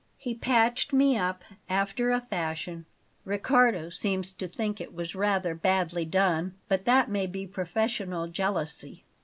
He patched me up after a fashion Riccardo seems to think it was rather badly done, but that may be professional jealousy.